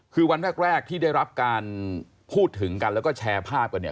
คือวันแรกที่ได้รับการพูดถึงกันแล้วก็แชร์ภาพกันเนี่ย